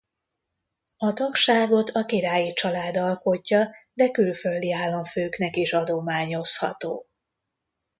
A tagságot a királyi család alkotja de külföldi államfőknek is adományozható.